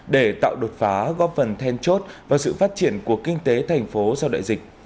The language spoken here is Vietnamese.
để tạo đột phá góp phần then chốt và sự phát triển của kinh tế thành phố sau đại dịch